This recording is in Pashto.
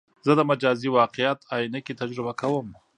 زه د مجازي واقعیت عینکې تجربه کوم.